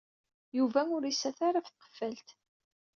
Yuba ur issat ara ɣef tqeffalt.